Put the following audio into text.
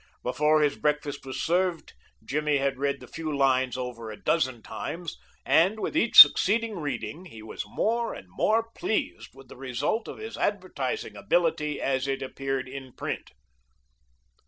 Before his breakfast was served Jimmy had read the few lines over a dozen times, and with each succeeding reading he was more and more pleased with the result of his advertising ability as it appeared in print.